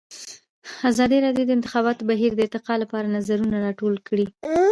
ازادي راډیو د د انتخاباتو بهیر د ارتقا لپاره نظرونه راټول کړي.